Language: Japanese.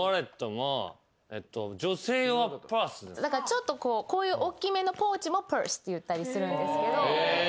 ちょっとこういうおっきめのポーチもｐｕｒｓｅって言ったりするんですけど。